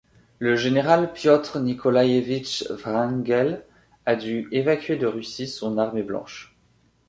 Le général Piotr Nikolaïevitch Wrangel a dû évacuer de Russie son armée blanche.